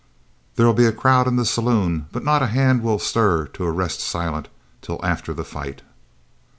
"There'll be a crowd in the saloon, but not a hand will stir to arrest Silent till after the fight."